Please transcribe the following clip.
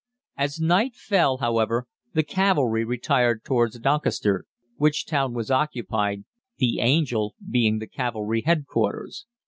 "As night fell, however, the cavalry retired towards Doncaster, which town was occupied, the Angel being the cavalry headquarters.